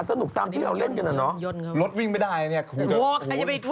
อันนี้ซูมแต่ที่จริงคือบนหน้าไทยรัฐ